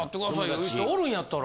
いう人おるんやったら。